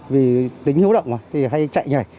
vì tính hiếu động thì hay chạy nhảy